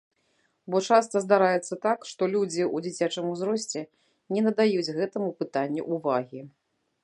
Бо часта здараецца так, што людзі ў дзіцячым узросце не надаюць гэтаму пытанню ўвагі.